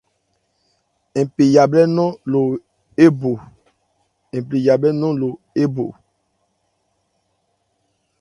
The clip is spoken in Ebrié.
Npi yabhlɛ́ nɔn lo ébo.